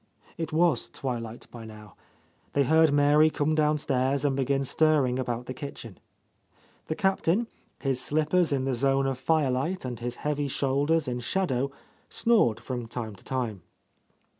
It was twilight by now. They heard Mary come downstairs and begin stirring about the kitchen. The Captain, his slippers in the zone of firelight and his heavy shoulders in shadow, snored from time to time.